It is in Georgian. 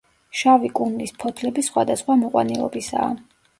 შავი კუნლის ფოთლები სხვადასხვა მოყვანილობისაა.